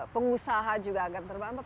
pengusaha juga akan terdampak